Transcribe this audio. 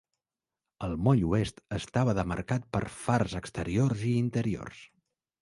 El moll oest estava demarcat per fars exteriors i interiors.